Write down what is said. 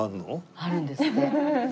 あるんですって。